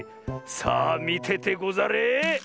さあみててござれ！